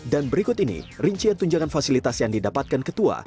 dan berikut ini rincian tunjangan fasilitas yang didapatkan ketua